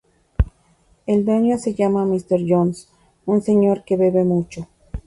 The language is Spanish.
El dueño se llama Mister Jones, un señor que bebe mucho.